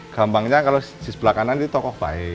gampangnya kalau di sebelah kanan ini tokoh baik